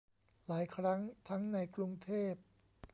หลายครั้งทั้งในกรุงเทพ